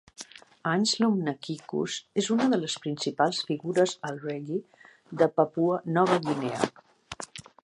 Anslom Nakikus és una de les principals figures al reggae de Papua Nova Guinea.